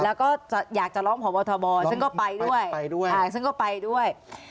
แล้วก็อยากจะร้องพบทบซึ่งก็ไปด้วยไปด้วยซึ่งก็ไปด้วย